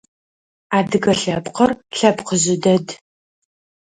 Адыгэ лъэпкъыр лъэпкъ жъы дэд.